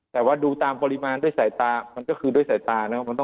แต่ว่าดูตามปริมาณด้วยสายตามันก็คือด้วยสายตานะครับ